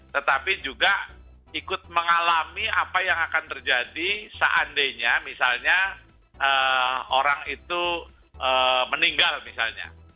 tetapi juga ikut mengalami apa yang akan terjadi seandainya misalnya orang itu meninggal misalnya